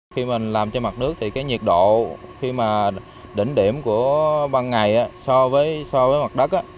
khi mình làm trên mặt nước thì cái nhiệt độ khi mà đỉnh điểm của ban ngày so với so với mặt đất